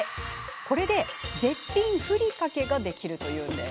これで絶品ふりかけができるというんです。